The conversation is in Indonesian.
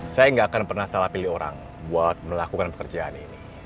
saya nggak akan pernah salah pilih orang buat melakukan pekerjaan ini